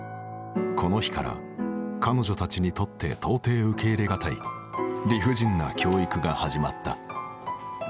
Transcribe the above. この日から彼女たちにとって到底受け入れ難い理不尽な教育が始まった。